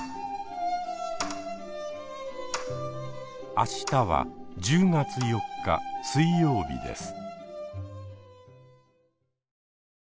明日は１０月４日水曜日です。